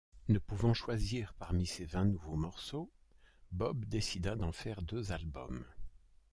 Ne pouvant choisir parmi ces vingt nouveaux morceaux, Bob décida d'en faire deux albums.